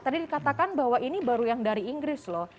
tadi dikatakan bahwa ini baru yang dari inggris loh